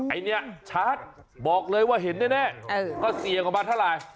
อันนี้ชัดบอกเลยว่าเห็นแน่ก็เซียงออกมาเท่าไหร่